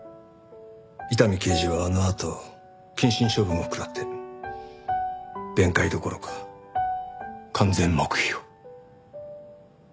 伊丹刑事はあのあと謹慎処分を食らって弁解どころか完全黙秘を。